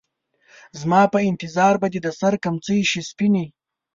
زما په انتظار به دې د سـر کمڅـۍ شي سپينې